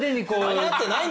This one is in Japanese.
間に合ってない。